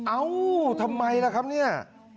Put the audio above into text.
เอ้าทำไมล่ะครับเนี่ย